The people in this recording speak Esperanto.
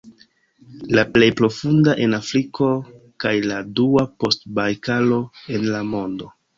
La plej profunda en Afriko kaj la dua post Bajkalo en la mondo.